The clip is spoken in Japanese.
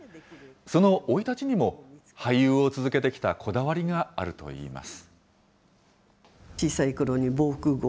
その生い立ちにも、俳優を続けてきたこだわりがあるといいます。